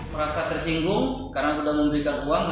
merasa tersinggung karena sudah memberikan uang